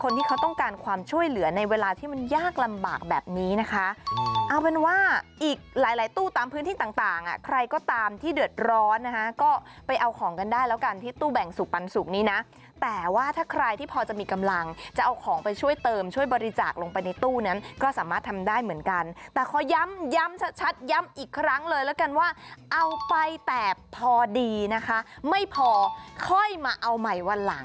ที่เขาต้องการความช่วยเหลือในเวลาที่มันยากลำบากแบบนี้นะคะเอาเป็นว่าอีกหลายหลายตู้ตามพื้นที่ต่างอ่ะใครก็ตามที่เดือดร้อนนะคะก็ไปเอาของกันได้แล้วกันที่ตู้แบ่งสุขปันสุกนี้นะแต่ว่าถ้าใครที่พอจะมีกำลังจะเอาของไปช่วยเติมช่วยบริจาคลงไปในตู้นั้นก็สามารถทำได้เหมือนกันแต่ขอย้ำย้ำชัดชัดย้ำอีกครั้งเลยแล้วกันว่าเอาไปแต่พอดีนะคะไม่พอค่อยมาเอาใหม่วันหลัง